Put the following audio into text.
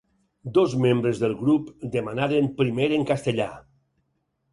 Dos membres del grup demanaren primer en castellà.